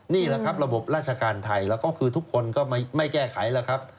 นี่แหละครับระบบราชการไทยแล้วก็คือทุกคนก็ไม่แก้ไขแล้วครับ